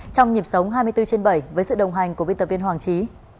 trong nhịp sống hai mươi bốn trên bảy với sự đồng hành của viên tập viên hoàng trí